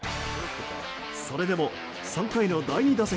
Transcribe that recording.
それでも３回の第２打席。